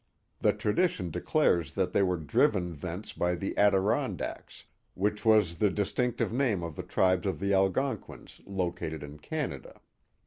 The tradition declares that they were driven thence by the Adirondacks, which was the distinctive name of the tribes of the Algonquins located in Canada.